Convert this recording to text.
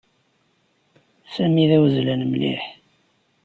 Sami d awezzlan mliḥ.